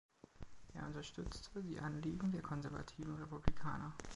Er unterstützte die Anliegen der konservativen Republikaner.